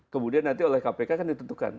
kemudian nanti oleh kpk kan ditentukan